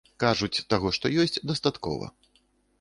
Кажуць, таго, што ёсць, дастаткова.